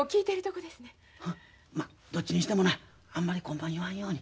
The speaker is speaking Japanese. まどっちにしてもなあんまり今晩言わんように。